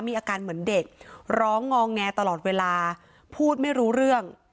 มีอาการเหมือนเด็กร้องงอแงตลอดเวลาพูดไม่รู้เรื่อง